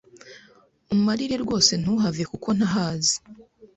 Umarire rwose ntuhave kuko ntahazi